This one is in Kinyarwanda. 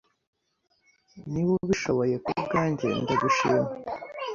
Niba ubishoboye kubwanjye, ndabishima.